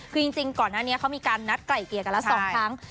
คือจริงก่อนหน้านี้เขามีการนัดไกล่เกลี่ยกันแล้ว๒ครั้ง